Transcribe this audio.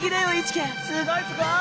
すごいすごい！